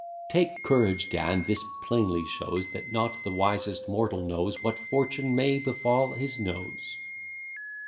Take courage, Dan; this plainly shows, That not the wisest mortal knows What fortune may befall his nose.